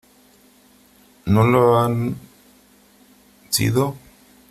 no lo han sido .